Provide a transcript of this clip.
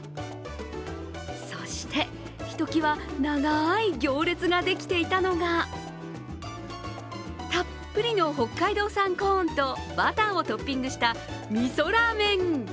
そして、ひときわ長い行列ができていたのがたっぷりの北海道産コーンとバターをトッピングしたみそラーメン。